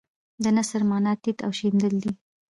د نثر معنی تیت او شیندل دي.